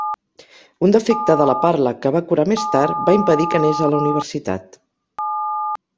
Un defecte de la parla, que va curar més tard, va impedir que anés a la universitat.